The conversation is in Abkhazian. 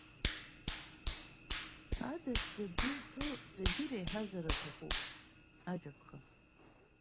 Адаӷьгьы аӡы изҭоу зегьы иреиҳазар аҭахуп Ажәаԥҟа.